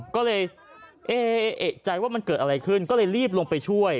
ก็เลยเอเอกใจว่ามันเกิดอะไรขึ้นก็เลยรีบลงไปช่วย